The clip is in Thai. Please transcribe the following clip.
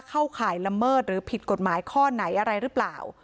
ข่ายละเมิดหรือผิดกฎหมายข้อไหนอะไรหรือเปล่า